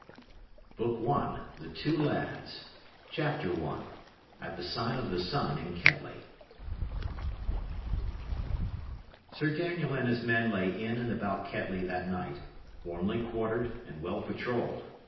BOOK I THE TWO LADS CHAPTER I AT THE SIGN OF THE SUN IN KETTLEY Sir Daniel and his men lay in and about Kettley that night, warmly quartered and well patrolled.